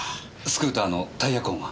スクーターのタイヤ痕は？